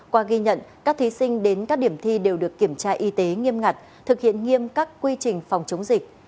qua ghi nhận các thí sinh đến các điểm thi đều được kiểm tra y tế nghiêm ngặt thực hiện nghiêm các quy trình phòng chống dịch